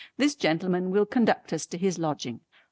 This gentleman will conduct us to his lodging."